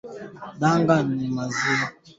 Danga ni maziwa ya kwanza ya mnyama